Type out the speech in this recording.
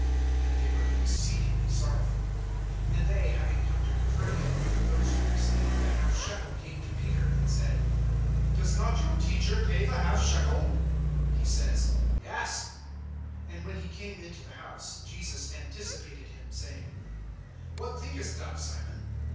And they were exceedingly sorrowful. (24)And they having come to Capernaum, those who received the half shekel came to Peter, and said: Does not your teacher pay the half shekel[17:24]? (25)He says, Yes. And when he came into the house, Jesus anticipated him, saying: What thinkest thou, Simon?